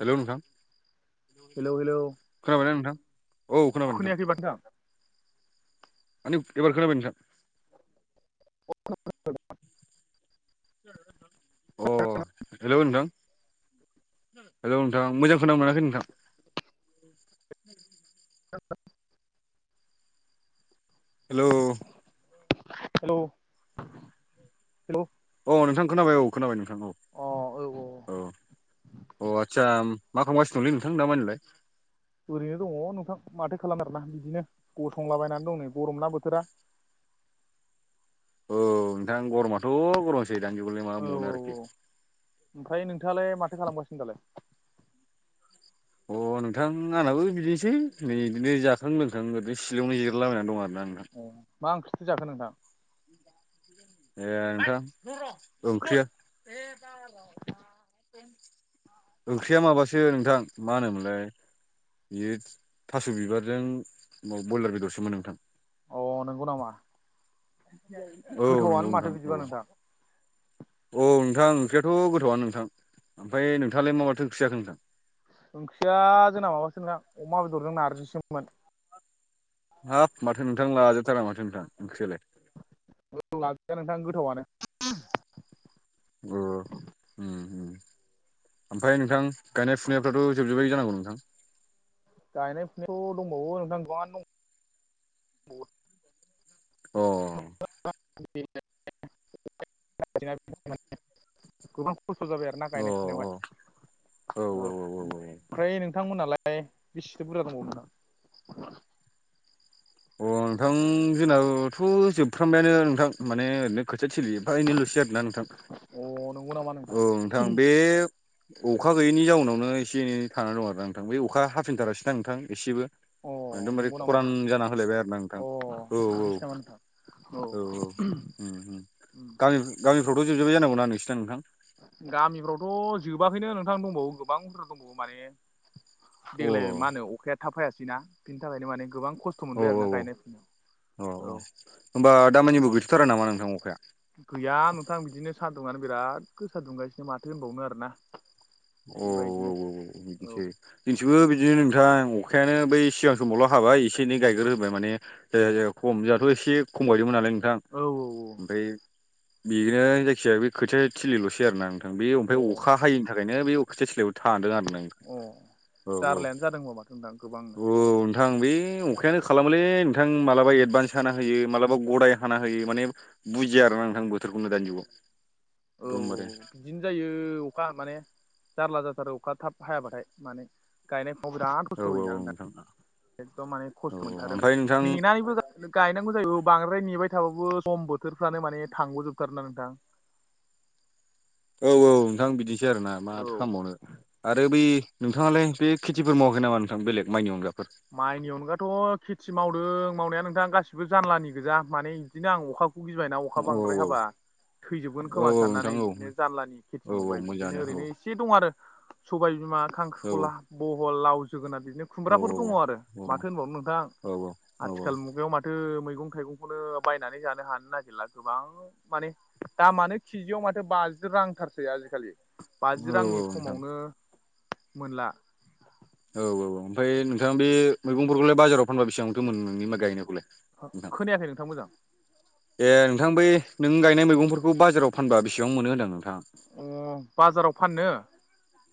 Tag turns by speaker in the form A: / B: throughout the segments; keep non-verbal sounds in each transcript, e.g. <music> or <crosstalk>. A: Hello नोंथां
B: hello hello
A: खोनाबायना नोंथां औ खोनाबाय नोंथां माने एबार खोनाबाय नोंथां
B: <unintelligible>
A: अ हेलौ नोंथां हेलौ नोंथां मोजां खोना मोनाखै नोंथां हेलौ
B: हेल' हेल'
A: अ नोंथां खोनाबाय औ खोनाबाय नोंथां औ
B: अ औ-औ
A: औ अ आस्सा मा खालामगासिनो दंलै नोंथां दामानिलाय
B: ओरैनो दङ नोंथां माथो खालामनो आरोना बिदिनो गसंलाबायनानै दं नै गरमना बोथोरा
A: औ नोंथां गरमाथ' गरमसै दानि जुगावलाय मा
B: औ औ
A: बुंबावनो आरोखि
B: ओमफ्राय नोंथाङालाय माथो खालामगासिनो दालाय
A: अ नोंथां आंनाबो बिदिनोसै नै बिदिनो जाखां लोंखां ओरैनो सिलायावनो जिरालाबायनानै दं आरोना नोंथां
B: अ मा ओंख्रिथि जाखो नोंथां
A: ए नोंथां ओंख्रिया ओंख्रिया माबासो नोंथां मा होनोमोनलाय बेयो थास' बिबारजों ब्रयलार बेदरसोमोन नोंथां
B: अ नंगौ नामा
A: औ नंगौ
B: गोथावानो
A: नोंथां
B: माथो
A: औ
B: बिदिबा नोंथां
A: औ नोंथां ओंख्रियाथ' गोथावा नोंथां ओमफ्राय नोंथाङालाय मा मा माथो ओंख्रि जाखो नोंथां
B: ओंख्रिया जोंना माबासो नोंथां अमा बेदरजों नारजिसोमोन
A: हाब माथो नोंथां लाजाथारा माथो नोंथां ओंख्रियालाय
B: औ लाजाया नोंथां गोथावानो
A: अ उम उम ओमफ्राय नोंथां गायनाय फुनायफ्राथ' जोबजोबबाय जानांगौ नोंथां?
B: गायनाय फुनायथ' दंबावो नोंथां गोबाङानो दंबावो
A: अ
B: <unintelligible> ना गायनाय
A: अ
B: फुनायावहाय
A: <inaudible>
B: औ ओमफ्राय नोंथांमोनहालाय बेसेथो बुरजा दंबावो नोंथां
A: अ नोंथां जोंनावथ' जोबफ्रामबायानो नोंथां माने ओरैनो खोथिया थिलि फा एनोल'सै आरोना नोंथां
B: अ नंगौ नामा
A: औ नोंथां बे अखा गैयैनि जाउनावनो एसे एनै थानानानै दं आरो नोंथां बे अखा हाबफिनथारासै नां नोंथां एसेबो।
B: अ
A: एकदमबारे
B: नंगौ नामा
A: खरान
B: नोंथां
A: जाना होलायबाय आरोना नोंथां
B: अ
A: औ औ
B: बिदिसो नामा नोंथां
A: औ औ उम उम गामि गामिफ्रावथ' जोबजोब्बाय जानांगौना नोंसिना नोंथां
B: गामिफ्रावथ' जोबाखैनो नोंथां दंबावो गोबां बद्रा दंबावो माने
A: अ
B: देग्लाय मा होनो अखाया थाबहायासैना बिनि थाखायनो माने गोबां खस्थ'
A: औ
B: मोनबाय
A: औ
B: आरोना
A: औ
B: गायनो
A: अ
B: औ
A: होमबा दामानिबो गैथ' थारा नामा नोंथां अखाया
B: गैया नोंथां बिदिनो सान्दुंङानो बिराद गोसा दुंगासिनो माथो होनबावनो आरोना
A: अ औ
B: बेबायदिनो
A: औ औ बिनसै बिथिबो बिदिनो नोंथां अखायानो बै सिगां समावल' हाबाय एसे एनै गायग्रो होबाय माने जाया जाया खम दाथ' एसे खमायदोंमोन नालाय नोंथां
B: औ
A: ओमफ्राय बेनो जायखिजाया बे खोथिया थिलिल'सै आरो नोंथां बे
B: औ
A: ओमफ्राय अखा हायैनि थाखायनो बे अखा से थ्लायावबो थांदों आरो नों
B: अ जार्लायानो जादों होमबा माथों नोंथां गोबां
A: औ नोंथां बे अखायानो खालामोलै नोंथां मालाबा एदभान्स हाना होयो मालाबा गदाय हाना होयो माने बुजिया आरो ना नोंथां बोथोरखौनो दानि जुगाव
B: औ
A: एकदमबारे
B: औ बिदिनो जायो अखा माने जारला जाथारो अखा थाब हायाबाथाय माने गायनाय फुराव बिराद
A: औ
B: खस्थ'
A: औ
B: होयोना नोंथां
A: औ
B: एखदम माने
A: औ
B: खस्थ' मोनथारोमोन
A: ओमफ्राय नोंथां
B: नेनायबो गायनांगौ जायो बांद्राय नेबाय थाबाबो सम बोथोरफ्रानो माने थांग'जोबथारोना नोंथां
A: औ औ नोंथां बिदिनोसै आरोना माथो
B: औ
A: खालामबावनो आरो बै नोंथाङालाय बे खेथिफोर मावाखै नामा नोंथां बेलेग माइनि अनगाफोर
B: माइनि अनगाथ' खेथि मावदों मावनाया नोंथां गासिबो जाल्लानि गोजा माने बिदिनो आं अखा बुगिबायना अखा
A: औ
B: बांद्राय
A: औ
B: हाबा थैजोबगोन
A: औ
B: खोमा
A: नोंथां
B: साननानै
A: औ
B: बिदिनो जानलानि खेथि
A: औ औ
B: मावबाय बिदिनो
A: मोजाङानो औ
B: ओरैनो एसे दं आरो सबाय बिमा
A: औ
B: खांख्रिख'ला बहल लाव जोगोनार बिदिनो
A: औ औ
B: खुमब्राफोर दङ आरो
A: औ
B: माथो होनबावनो नोंथां
A: औ
B: आथिखाल मुगायाव माथो माथो मैगं थाइगंखौनो बायनानै जानो हानो नागिरला गोबां माने दामानो केिजियाव माथो बाजि रांथारसै आजिखालि बाजि
A: औ औ
B: रांनि
A: नोंथां
B: खमावनो मोनला
A: औ औ औ ओमफ्राय नोंथाङा बे मैगंफोरखौलाय बाजाराव फानबा बेसेबांथ' मोन नोंनि मा गायनायखौलाय नोंथां
B: खोनायाखै नोंथां मोजां
A: ए नोंथां बै नों गायनाय मैगंफोरखौ बाजाराव फानबा बेसेबां मोनो होनदों नोंथां
B: अ बाजाराव फाननो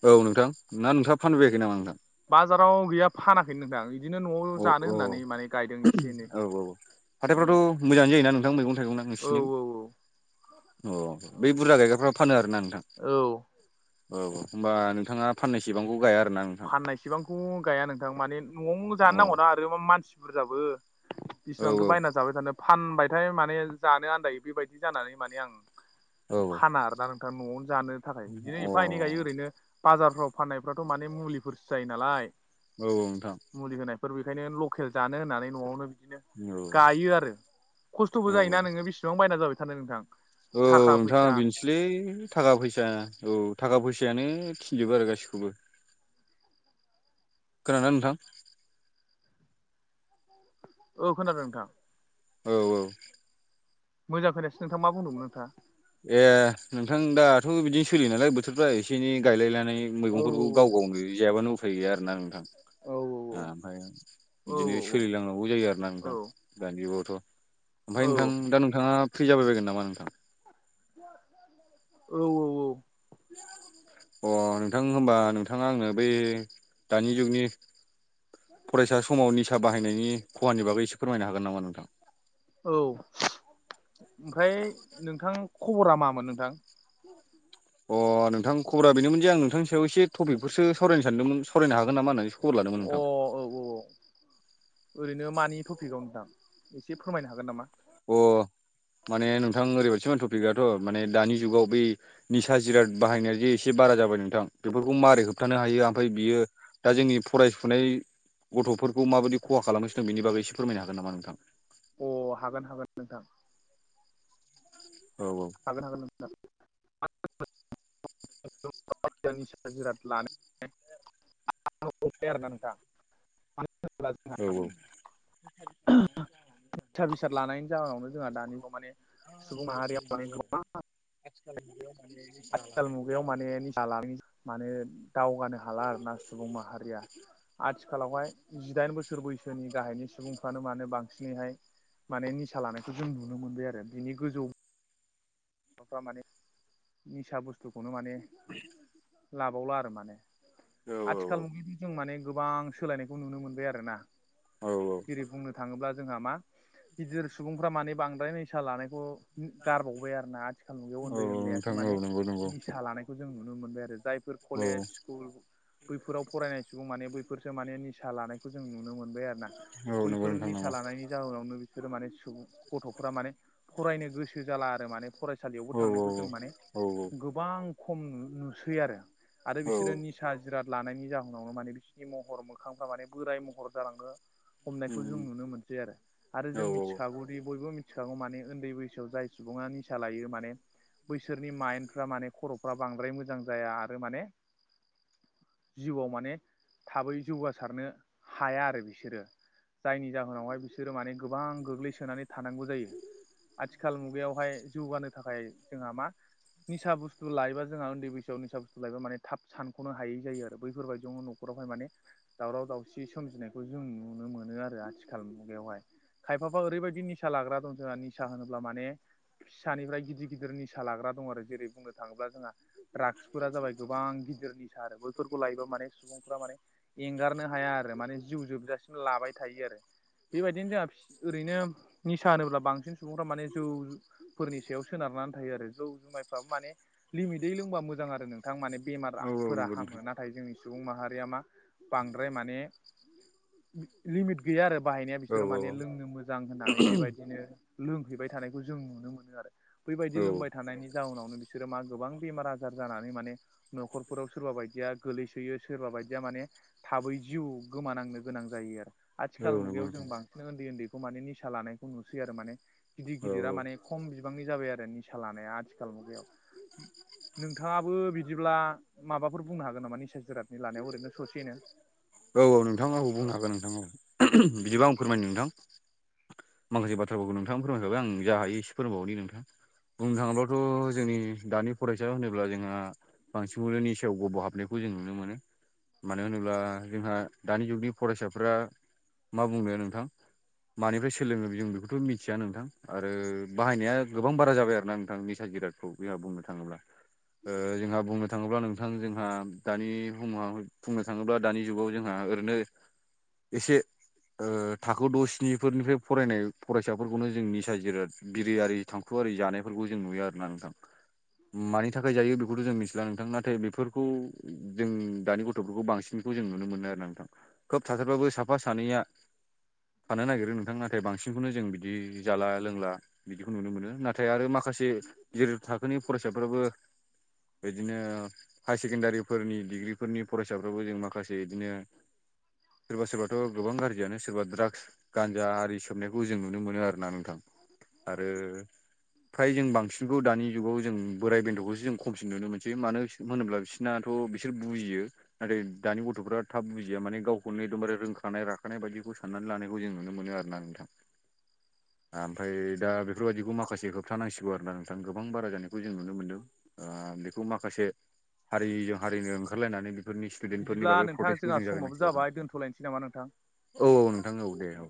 A: औ नोंथां ना नोंथाङा फानबाय बायाखै नामा नोंथां
B: बाजाराव गैया फानाखैनो नोंथां बिदिनो न'आव
A: अ
B: जानो
A: अ
B: होननानै माने गायदों एसे एनै
A: औ औ
B: औ
A: हाथायफ्राथ' मोजां जायोना नोंथां मैगं थाइगंना
B: औ
A: बिदिनो अ
B: औ
A: बै बुरजा गायग्राफ्रा फानो आरोना नोंथां
B: औ
A: औ होमबा नोंथाङा फाननाय सेबांखौ गाया आरोना नोंथां
B: फाननायसेबांखौ गाया नोंथां माने न'आवनो
A: अ
B: जानो नांगौना आरो मानसि बुरजाबो
A: औ
B: बिसिबांथो बायना जाबाय थानो फानबायथाय माने जानो आनदायो बेबायदि जानानै माने आं
A: औ अ
B: फाना आरोना नोंथां न'आवनो जानो थाखाय बिदिनो
A: औ
B: एफा एनै गायो ओरैनो बाजारफ्राव फाननायफ्राथ' माने माने मुलिफोरसो जायो नालाय
A: औ औ नोंथां
B: मुलि होनायफोर बेखायनो लकेल जानो होननानै न'आवनो बिदिनो
A: औ
B: गायो आरो खसथ'बो
A: औ
B: जायोना नोङो बेसेबां बायना जाबाय थानो नोंथां
A: औ
B: थाखा फैसा
A: नोंथाङा बेनोसै सिलै थाखा फैसा औ थाखा फैसायानो थिनजोबो आरो गासिखौबो खोनादों ना नोंथां
B: औ खोनादों नोंथां
A: औ औ
B: मोजां खायासै नोंथां मा बुंदोंमोन नोंथा
A: ए नोंथां दाथ' बिदिनो सोलियो नालाय बोथोरफ्रा एसे एनै गायलाय नानै बे
B: औ
A: मैगंफोरखौ गाव गावनो जायाबानो उफाय गैया आरोना नोंथां
B: औ
A: ओमफ्राय।
B: औ
A: बिदिनो सोलिलांनांगौ जायो आरोना नोंथां दानि जावथ' ओमफ्राय
B: औ
A: नोंथां दा नोंथाङा फ्रि जाबायगोन नामा नोंथां।
B: औ औ औ।
A: अ नोंथां होनबा नोंथाङा आंनो बै। दानि जुगनि फरायसा समावनि। फिसा बाहायनायनि खहानि बागै एसे फोरमायनो हागोन नामा नोंथां।
B: औ ओमफ्राय नोंथां खबरा मामोन नोंथां। उम
A: अ नोंथां खबरा बेनोमोन जे आं नोंथांनि सायाव एसे टपिकफोरसो सरायनो सानदोंमोन सरायनो हागोन नामा होननानै।
B: अ औ औ। ओरैनो मानि टपिकआव नोंथां एसे फोरमायनो हागोन नामा
A: अ माने नोंथां ओरैबायदिमोन टपिकआथ' माने दानि जुगाव बै निसा जिराद बाहायनाया जे एसे बारा जाबाय नोंथां बेफोरखौ मारै होबथानो हायो आं ओमफ्राय बियो दा जोंनि फरायसुनाय गथ'फोरखौ माबायदि। खहा खालामनोसो दं बेबाबोसे फोरमनो हागोनामा नोंथां।
B: अ हागोन हागोन नोंथां‌।
A: औ औ।
B: हागोन हागोन निजिर लानाय <inaudible> बिसा
A: औ
B: बिसाद लानायनि जाहोनावनो जोंहा दानि माने सुबुं माहारियाव माने गोबां।
A: आथिखाल मुगायाव
B: आथिखाल मुगायाव माने दालांनि माने दावगानो हाला आर ना सुबुं माहारिया। आथिखालावहाय जिदाइन बोसोर बैसोनि गाहायनि सुबुंफ्रानो मानो बांसिनैहाय माने निसा लानायखौ जों नुनो मोनबाय आरो बिनि गोजौ माफ्रा माने निसा बुसथुखौनो माने लाबावला आरो माने।
A: औ
B: आथिखाल मुगायावथ' जों माने गोबां सोलायनायखौ नुनो मोनबाय आरोना
A: औ औ।
B: जेरै बुंनो थाङोब्ला जोंहा मा गिदिर सुबुंफ्रा माने बांद्राय निसा लानायखौ गारबावबाय आरो ना आथिखाल नुग
A: औ
B: उन्दै उन्दैयासो
A: नोंथां
B: माने
A: औ नंगौ नंगौ
B: निसा लानायखौ जों नुनो मोनबाय आरो जायफोर
A: औ
B: कलेज। स बैफोराव फरायनाय सुबुं माने बैफोरसो माने निसा लानायखौ जों नुनो मोनबाय आरो ना?
A: औ नंगौ
B: बैफोर
A: नोंथां
B: निसा
A: नंगौ
B: लानायनि। जाहोनावनो बिसोरो माने सुबुं गथ'फोरा माने फरायनो गोसो जाला आरो माने। सालियावबो
A: औ औ
B: थांनायखौ जों माने
A: औ
B: गोबां खम नुसै आरो आरो
A: औ
B: बिसोरो फिसा जिराद लानायनि जाहोनावनो माने बिसिोरनि महर मोखांफ्रा माने बोराय महर जालाङो। हमनायखौ जों नुनो मोनसै आरो आरो
A: औ
B: जों मिथिखागौ। बयबो मिथिखागौ माने उन्दै बैसोआव जाय सुबुङा निसा लायो माने‌। बैसोरनि माइन्फ्रा माने खर'फ्रा बांद्राय मोजां जाया आरो माने जिउआव माने थाबै जौगासारनो हाया आरो बिसोरो जायनि जाहोनावहाय बिसोरो माने गोबां गोग्लैसोनानै थानांगौ जायो। आथिखाल मुगायावहाय जौगानो थाखाय जोंहा मा निसा बुस्थु लायोब जोंहा उन्दै बैसोआव निसा बुस्थु लायोब माने थाब सानख'नोायै जायो आरो बैफोरबायदिनो न'खरावहाय माने दावराव दावसि सोमजिनायखौ जों नुनो मोनो आरो आथिखाल मुगायावहाय। खायफाफा ओरैबायदि निसा लाग्रा दं जोंहा निसा होनोब्ला माने फिसानिफ्राय गिदिर गिदिर निसा लाग्रा दं आरो जेरै बुंनो थाङोब्ला जोंहा ड्राग्सफोरा जाबाय गोबां गिदिर निसा आरो बैफोरखौ लायोबा माने सुबुंफोरा माने एंगारनो हाया आरो माने जिउ जोबजासिम लाबाय थायो आरो बेबायदिनो जोंहा ओरैनो निसा होनोब्ला बांसिन सुबुंफ्रा माने जौ। फोरनि सायाव सोनारनानै थायो आरो जौ जुमायफ्रा माने लिमिटै लोंबा मोजां आरो नोंथां माने
A: औ
B: बेमारफोरा
A: नंगौ
B: हामो
A: नोंथां
B: नाथाय जोंनि सुबुं माहारिया मा बांद्राय माने लिमिट गैया आरो बाहायनाया
A: औ
B: बिसोरो माने लोंनो मोजां होननानै बेबायदिनो लोंहैबाय थानायखौ जों नुनो मोनो आरो बैबायदि लोंबाय थानायनि जाहोनावनो बिसोरो मा गोबां बेमार आजार जानानै माने न'खरफोराव सोरबा बायदिया गोलैसोयो सोरबा बायदिया माने थाबै जिउ गोमानांनो गोनां जायो आरो
A: औ नंगौ
B: आथिखाल मुगायाव जों
A: नोंथां
B: बांसिन उन्दै उन्दैखौ माने निसा लानायखौ नुसै आरो माने गिदिर गिद
A: औ
B: गिदिरा माने खम बिबांनि जाबाय आरो निसा लानाया आथिखाल मुगायाव नोंथाङाबो बिदिब्ला माबाफोर बुंनो हागोन नामा निसा जिरादनि लानायाव ओरैनो ससेनो
A: औ औ नोंथाङा औ बुंनो हागोन नोंथां औ बिदिबा आं फोरमायदों नोंथां माखासे बाथ्राफोरखौ नोंथां फोरमायखाबाय आं जा हायो इसे फोरमायबावनि नोंथां बुंनो थाङोब्लाथ' जोंनि दानि फरायसा होनोब्ला जोंहा बांसिनखौनो निसा सेव गोबाव हाबनायखौ जों नुनो मोनो मानो होनोब्ला जोंहा दानि जुगनि फरायसाफोरा मा बुंनो नोंथां मानिफ्राय सोलोङो जों बेखौथ' मिथिया नोंथां आरो बाहायनाया गोबां बारा जाबाय आरोना नोंथां निसा जिराद जोंहा बुंनो थाङोब्ला जोंहा बुंनो थाङोब्ला नों थ जोंहा दानि मु बुंनो थाङोब्ला दानि जुगाव जोंहा ओरैनो एसे थाखो द स्निफोरनिफ्राय फरायनाय फरायसाफोरखौनो जों निसा जिराद बिरियारि थांखुआरि जानायफोरखौ जों नुयो आरोना नोंथां मानि थाखाय जायो बेखौथ' जों मिथिला नोंथां नाथाय बेफोरखौ जों दानि गथ'फोरखौ बांसिन खौ जों नुनो मोनो आरो ना नोंथां खोब थाथारबाबो साफा सानैया थानो नागिरो न थां नाथाय बांसिनखौनो जों बिदि जाला लोंला बिदिखौ नुनो मोनो नाथाय आरो माखासे माखासे जेरै थाखोनि फरायसाफोराबो बिदिनो हाय सेकेणडारिफोरनि डिग्रिफोरनि फरायसाफ्राबो जों माखासे बिदिनो सोरबा सोरबाथ' गोबां गाज्रियानो सोरबा द्राग्स जा आरि सोबनायखौ जों नुनो मोनो आरोना नोंथां आरो फ्राय जों बांसिनखौ दानि जुगाव जों बोराय बेनथखौसो जों खम दसिन नुनो मोनसै मानो होनोब्ला बिसोरनाथ' बिसोर बुजियो नाथाय दानि गथ'फ्रा थाब बुजिया माने गावखौनो एकदमबारे रोंखानाय राखानाय बायदिखौ साननानै लानायांगखौ जोङो नुनो मोनो ना नोंथां ओमफ्राय दा बेफोरबायदिखौ माखासे होबथानांसिगौ आरो ना नोंथां गोबां बारा जानाय बेखौ जों नुनो मोनदों बेखौ माखासे हारिजों हारिनो ओंखारलायनानै बेफोरनि स्टुडेन्टफोरनि बागै प्रटेस्टखौ जों जागायनांसिग आरो
B: लायसै नामा नोंथां
A: औ औ नोंथां औ दे औ